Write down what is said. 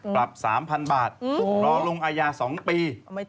ปรับ๓๐๐๐บาทรอลงอาญา๒ปี